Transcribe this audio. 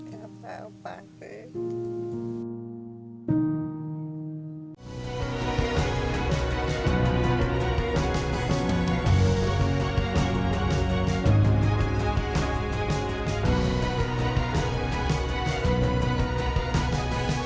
apa yang terjadi